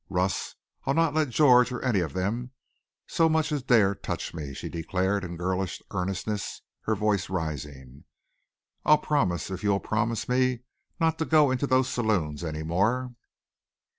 "Russ, I'll not let George or any of them so much as dare touch me," she declared in girlish earnestness, her voice rising. "I'll promise if you'll promise me not to go into those saloons any more."